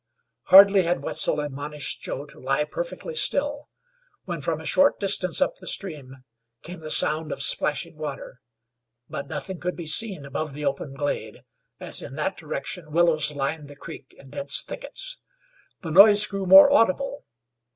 Hardly had Wetzel, admonished Joe to lie perfectly still, when from a short distance up the stream came the sound of splashing water; but nothing could be seen above the open glade, as in that direction willows lined the creek in dense thickets. The noise grew more audible.